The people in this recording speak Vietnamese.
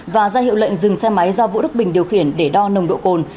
và ra hiệu lệnh dừng xe máy do vũ đức bình điều khiển để đo nồng độ cồn